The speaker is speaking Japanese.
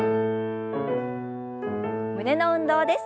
胸の運動です。